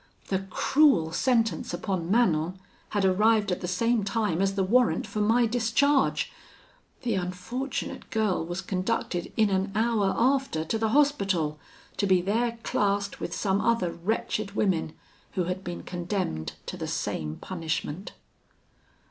The cruel sentence upon Manon had arrived at the same time as the warrant for my discharge. The unfortunate girl was conducted in an hour after to the Hospital, to be there classed with some other wretched women, who had been condemned to the same punishment.